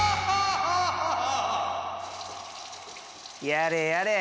やれやれ